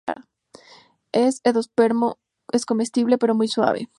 Su endospermo es comestible, pero muy suave.